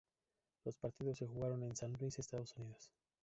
Los partidos se jugaron en San Luis, Estados Unidos.